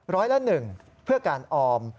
ร้อยละ๑เพื่อการออม